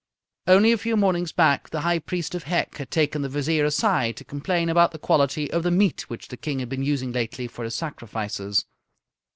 Only a few mornings back the High Priest of Hec had taken the Vizier aside to complain about the quality of the meat which the King had been using lately for his sacrifices.